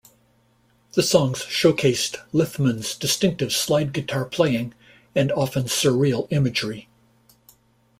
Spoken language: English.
The songs showcased Lithman's distinctive slide guitar playing and often surreal imagery.